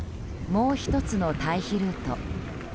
もう１つの退避ルート。